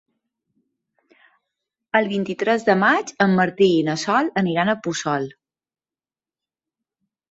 El vint-i-tres de maig en Martí i na Sol aniran a Puçol.